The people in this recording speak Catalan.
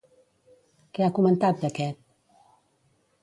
Què ha comentat d'aquest?